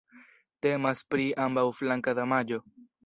Temas pri ambaŭflanka damaĝo.